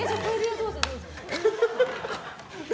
どうぞ、どうぞ。